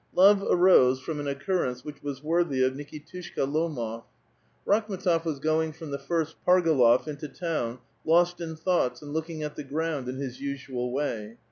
Love arose from an oecuiTence which was worthy of Nikitushka Lomof . Rakh m^tof was going from the first Pargalof into town, lost in thoughts, and looking at the ground in his usual way.